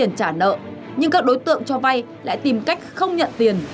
nhưng các đối tượng cho vay lại tìm cách không nhận tiền